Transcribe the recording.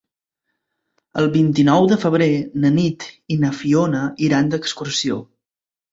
El vint-i-nou de febrer na Nit i na Fiona iran d'excursió.